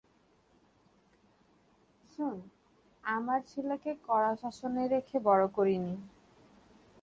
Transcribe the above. শুন আমার ছেলেকে কড়া শাসন রেখে বড় করিনি।